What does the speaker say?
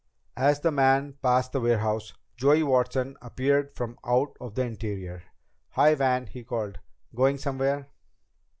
As the man passed the warehouse, Joey Watson appeared from out of the interior. "Hi, Van!" he called. "Going somewhere?"